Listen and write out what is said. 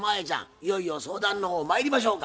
いよいよ相談の方まいりましょうか。